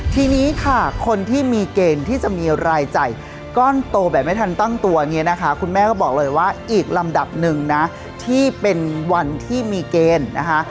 ทีนี้ค่ะคนที่มีเกณฑ์ที่จะมีรายจ่ายก้อนโตแบบไม่ทันตั้งตัวเนี่ยนะคะคุณแม่ก็บอกเลยว่าอีกลำดับหนึ่งนะที่เป็นวันที่มีเกณฑ์นะคะ